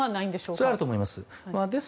それはあると思います。